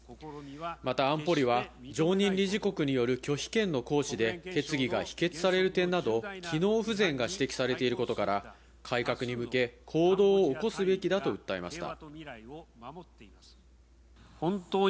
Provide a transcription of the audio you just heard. また安保理は常任理事国による拒否権の行使で決議が否決される点など機能不全が指摘されていることから、改革に向け、行動を起こすべきだと訴えました。